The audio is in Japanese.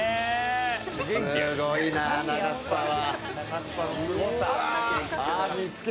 すごいなナガスパは。